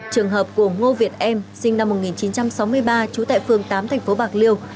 trường hợp của ngô việt em sinh năm một nghìn chín trăm sáu mươi ba trú tại phương tám tp bạc liêu